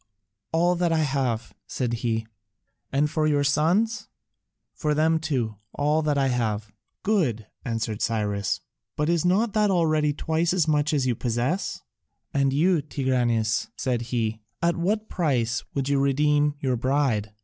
"All that I have," said he. "And for your sons?" "For them too, all that I have." "Good," answered Cyrus, "but is not that already twice as much as you possess? And you, Tigranes," said he, "at what price would you redeem your bride?"